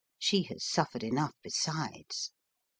She has suffered enough besides.